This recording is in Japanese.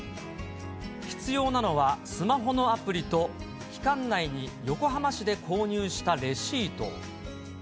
必要なのは、スマホのアプリと、期間内に横浜市で購入したレシート。